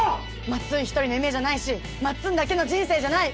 まっつん一人の夢じゃないしまっつんだけの人生じゃない！